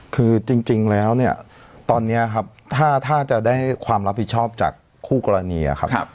คือจริงแล้วเนี่ยตอนนี้ครับถ้าจะได้ความรับผิดชอบจากคู่กรณีครับ